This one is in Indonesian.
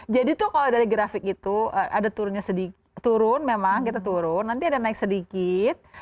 jadi tuh kalau dari grafik itu ada turun memang kita turun nanti ada naik sedikit